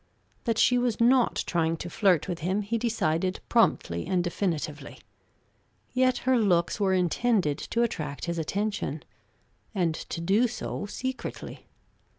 That she was not trying to flirt with him he decided promptly and definitively; yet her looks were intended to attract his attention, and to do so secretly.